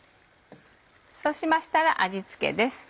そうしましたら味付けです。